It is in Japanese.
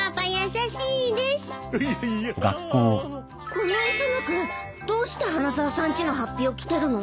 この磯野君どうして花沢さんちの法被を着てるの？